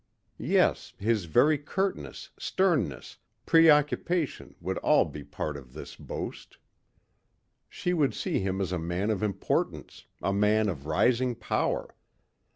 Yes, his very curtness, sternness, preoccupation would all be part of this boast. She would see him as a man of importance, a man of rising power.